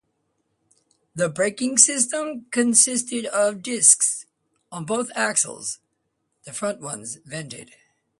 The braking system consisted of discs on both axles, the front ones vented.